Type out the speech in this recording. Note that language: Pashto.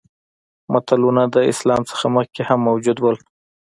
متلونه د اسلام څخه مخکې هم موجود وو